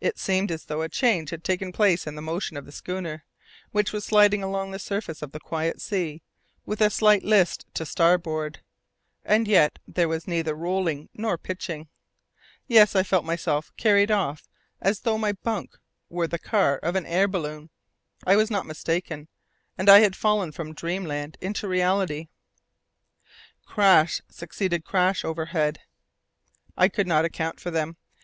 It seemed as though a change had taken place in the motion of the schooner, which was sliding along on the surface of the quiet sea, with a slight list to starboard. And yet, there was neither rolling nor pitching. Yes, I felt myself carried off as though my bunk were the car of an air balloon. I was not mistaken, and I had fallen from dreamland into reality. Crash succeeded crash overhead. I could not account for them.